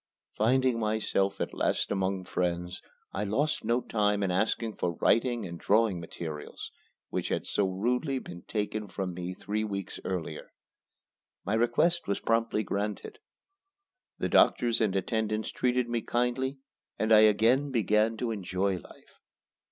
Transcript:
Finding myself at last among friends, I lost no time in asking for writing and drawing materials, which had so rudely been taken from me three weeks earlier. My request was promptly granted. The doctors and attendants treated me kindly and I again began to enjoy life.